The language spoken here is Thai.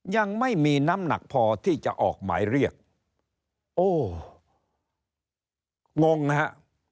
ยังไม่มีน้ำหนักพอที่จะออกหมายเรียกโอ้งงนะฮะ